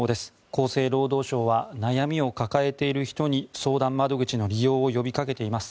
厚生労働省は悩みを抱えている人に相談窓口の利用を呼びかけています。